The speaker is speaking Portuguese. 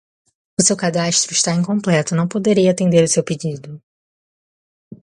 O seu cadastro está incompleto, não poderei atender o seu pedido.